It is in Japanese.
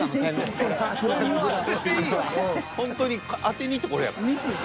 ほんとに当てにいってこれやから。